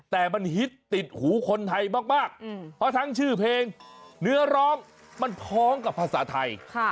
แต่มันฮิตติดหูคนไทยมากเพราะทั้งชื่อเพลงเนื้อร้องมันพ้องกับภาษาไทย